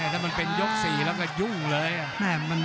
ถ้ามันเป็นยก๔แล้วก็ยุ่งเลย